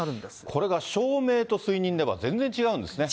これが証明と推認では全然違うんですね。